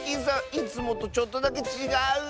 いつもとちょっとだけちがう！